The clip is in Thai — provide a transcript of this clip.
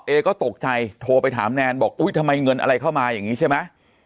เอก็ตกใจโทรไปถามแนนบอกอุ๊ยทำไมเงินอะไรเข้ามาอย่างนี้ใช่ไหม